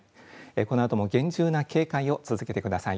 このあとも厳重な警戒を続けてください。